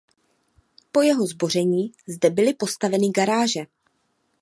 Po jeho zboření zde byly postaveny garáže.